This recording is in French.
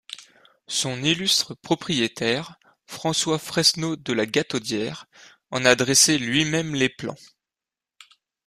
Son illustre propriétaire, François Fresneau de la Gataudière, en a dressé lui-même les plans.